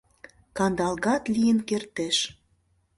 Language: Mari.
Кандалгат лийын кертеш.